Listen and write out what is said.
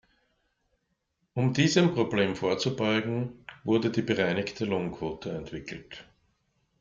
Um diesem Problem vorzubeugen, wurde die bereinigte Lohnquote entwickelt.